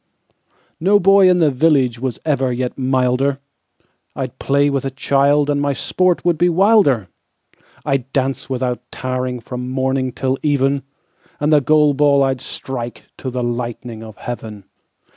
No boy in the villageWas ever yet milder; I'd play with a childAnd my sport would be wilder; I'd dance without tiringFrom morning till even, And the goal ball I'd strikeTo the lightning of heaven.